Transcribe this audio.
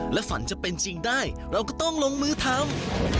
และฝันจะเป็นจริงได้เราก็ต้องลงมือทำ